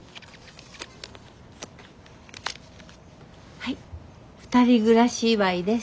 はい２人暮らし祝いです。